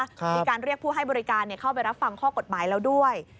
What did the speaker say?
มีการเรียกผู้ให้บริการเข้าไปรับฟังข้อกฎหมายแล้วด้วย